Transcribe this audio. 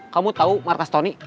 kamu tau markas tony